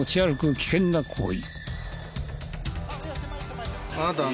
危険な行為。